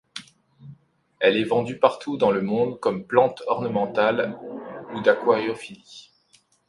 Elle est vendue partout dans le monde comme plantes ornementales ou d'aquariophilie.